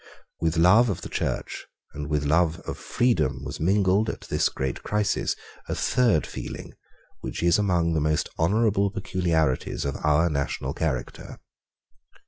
With love of the Church and with love of freedom was mingled, at this great crisis, a third feeling which is among the most honourable peculiarities of our national character.